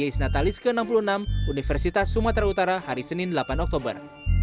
pada saat itu presiden joko widodo menghadiri di senatalais ke enam puluh enam universitas sumatera utara hari senin delapan oktober